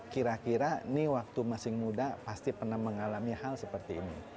kira kira ini waktu masih muda pasti pernah mengalami hal seperti ini